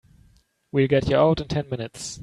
We'll get you out in ten minutes.